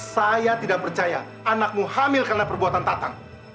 saya tidak percaya anakmu hamil karena perbuatan tatang